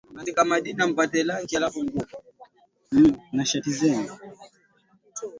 Uturuki ni Ankara Istanbul Izmir Adana Bursa Mashariki